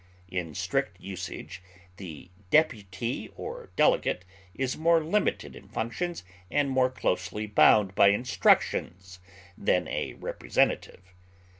In strict usage the deputy or delegate is more limited in functions and more closely bound by instructions than a representative.